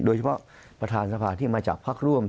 โดยเฉพาะประธานสภาที่มาจากพักร่วม